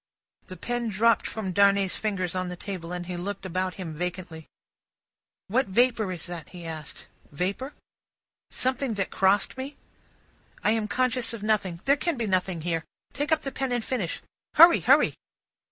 The pen dropped from Darnay's fingers on the table, and he looked about him vacantly. "What vapour is that?" he asked. "Vapour?" "Something that crossed me?" "I am conscious of nothing; there can be nothing here. Take up the pen and finish. Hurry, hurry!"